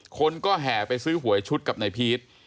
คนก็แห่ไปซื้อหวยชุดกับนายพีช